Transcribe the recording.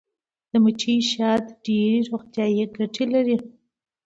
د مچۍ شات ډیرې روغتیایي ګټې لري